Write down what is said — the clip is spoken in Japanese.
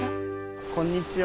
こんにちは。